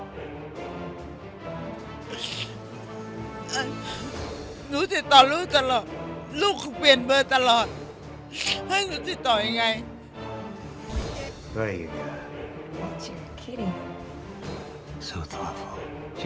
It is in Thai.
หนูติดต่อลูกตลอด